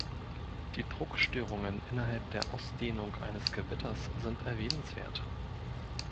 Die Druckstörungen innerhalb der Ausdehnung eines Gewitters sind erwähnenswert.